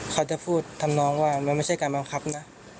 เขาจะพูดทำนองว่ามันไม่ใช่การบังคับนะ